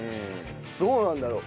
どうなんだろう？